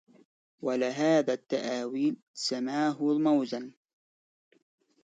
ولهذا التأوِيلِ سَماه موزاً